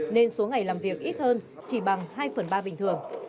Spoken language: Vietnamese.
nên số ngày làm việc ít hơn chỉ bằng hai phần ba bình thường